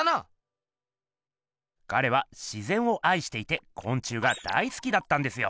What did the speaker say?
ガレは「自ぜん」をあいしていてこん虫が大すきだったんですよ。